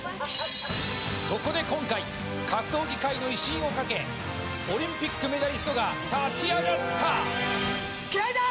そこで今回格闘技界の威信をかけオリンピックメダリストが立ち上がった！